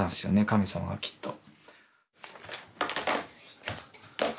神様がきっと。